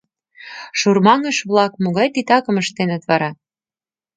Шурмаҥыш-влак могай титакым ыштеныт вара?